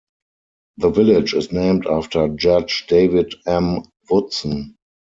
The village is named after Judge David M. Woodson.